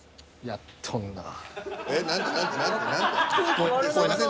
「やっとんなぁ」。